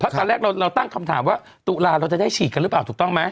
ตอนแรกเราตั้งคำถามว่าตุลาเราจะได้ฉีดกันหรือเปล่าถูกต้องไหม